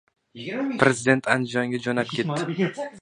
Prezident Andijonga jo‘nab ketdi